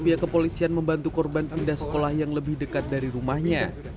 pihak kepolisian membantu korban pindah sekolah yang lebih dekat dari rumahnya